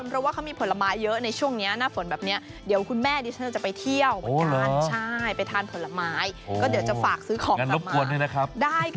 จังหวัดตราบนี้ก็ถือว่าเป็นอีกหนึ่งจังหวัดที่หน้าท่องเที่ยวนะครับ